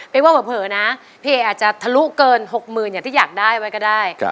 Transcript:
ไม่ว่าเผยนะพี่เอกราชสุวรรณภูมิอาจจะทะลุเกิน๖หมื่นอย่างที่อยากได้ไว้ก็ได้